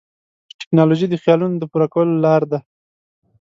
ټیکنالوژي د خیالونو د پوره کولو لاره ده.